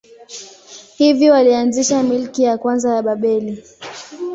Hivyo alianzisha milki ya kwanza ya Babeli.